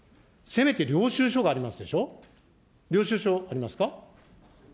せめて領収書がありますでしょ、領収書ありますか。